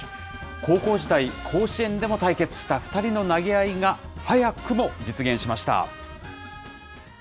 高校時代、甲子園でも対決した２人の投げ合いが早くも実現しました。